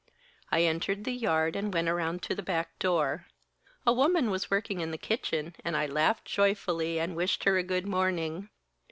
I entered the yard and went around to the back door. A woman was working in the kitchen and I laughed joyfully and wished her a good morning.